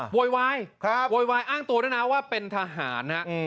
โวยวายโวยวายอ้างตัวด้วยนะว่าเป็นทหารนะ